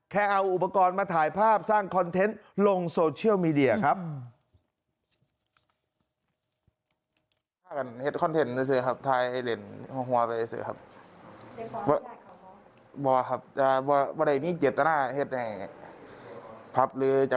แค่เอาอุปกรณ์มาถ่ายภาพสร้างคอนเทนต์ลงโซเชียลมีเดียครับ